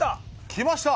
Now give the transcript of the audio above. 来ました！